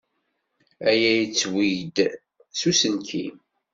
Aya yettweg-d s uselkim.